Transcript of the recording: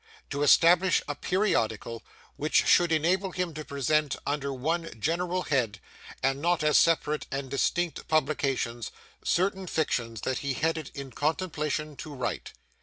To establish a periodical, which should enable him to present, under one general head, and not as separate and distinct publications, certain fictions that he had it in contemplation to write.